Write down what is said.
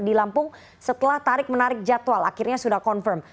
di lampung setelah tarik menarik jadwal akhirnya sudah confirm